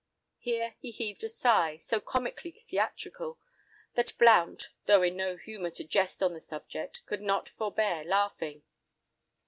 Here he heaved a sigh, so comically theatrical, that Blount, though in no humour to jest on the subject, could not forbear laughing.